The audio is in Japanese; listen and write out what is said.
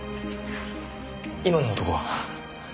今の男は？